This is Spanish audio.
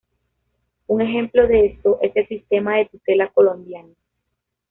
Un ejemplo de esto es el sistema de tutela colombiano.